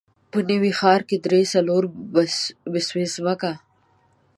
په نوي ښار کې درې، څلور بسوې ځمکه.